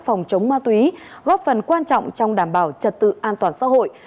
phòng chống ma túy góp phần quan trọng trong đảm bảo trật tự an toàn xã hội